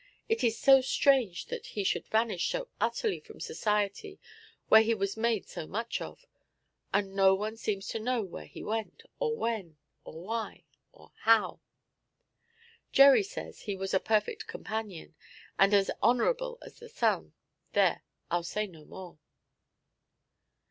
It is so strange that he should vanish so utterly from society where he was made so much of; and no one seems to know where he went, or when, or why, or how. Gerry says he was a perfect companion, "and as honourable as the sun." There, I'll say no more.'